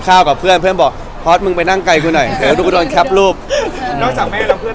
คนรอบคร่าวที่สนิทกับเรา